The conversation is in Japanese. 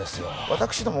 私ども